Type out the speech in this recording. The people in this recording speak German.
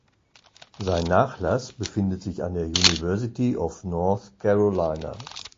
Sein Nachlass befindet sich an der University of North Carolina.